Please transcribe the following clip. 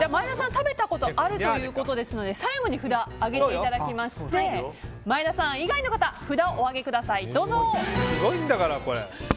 食べたことがあるということですので最後に札を上げていただいて前田さん以外の方札をお上げください。